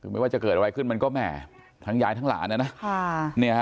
คือไม่ว่าจะเกิดอะไรขึ้นมันก็แหม่ทั้งยายทั้งหลานนะนะ